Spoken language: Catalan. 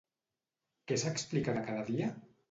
Què s'explica de cada dia?